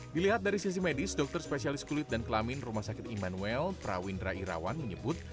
dilihat dari sisi medis dokter spesialis kulit dan kelamin rumah sakit immanuel prawindra irawan menyebut